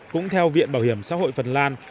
cũng theo viện bảo hiểm xã hội phần lan